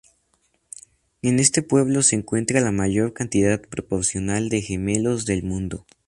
En este pueblo se encuentra la mayor cantidad proporcional de gemelos del mundo.